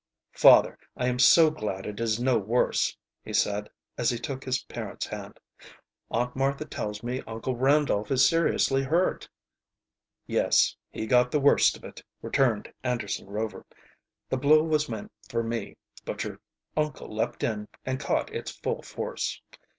"Father, I am so glad it is no worse," he said, as he took his parent's hand. "Aunt Martha tells me Uncle Randolph is seriously hurt." "Yes, he got the worst of it," returned Anderson Rover. "The blow was meant for me, but your uncle leaped in and caught its full force."